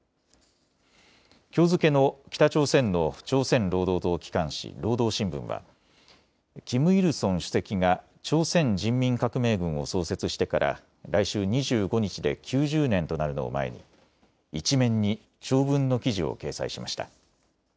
きょう付けの北朝鮮の朝鮮労働党機関紙、労働新聞はキム・イルソン主席が朝鮮人民革命軍を創設してから来週２５日で９０年となるのを前に１面に長文の記事を掲載しました。